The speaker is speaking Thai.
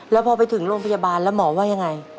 แล้วพอไปถึงโรงพยาบาลแล้วหมอว่ายังไง